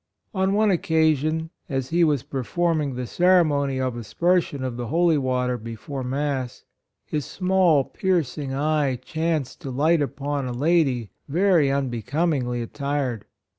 On one occasion, as he was per forming the ceremony of aspersion of the Holy Water before Mass, his small, piercing eye chanced to light upon a lady very unbecom ingly attired.